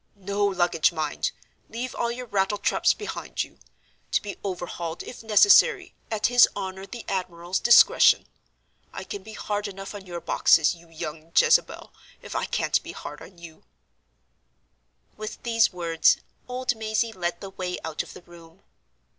No luggage, mind! Leave all your rattle traps behind you: to be overhauled, if necessary, at his honor the admiral's discretion. I can be hard enough on your boxes, you young Jezebel, if I can't be hard on you." With these words, old Mazey led the way out of the room.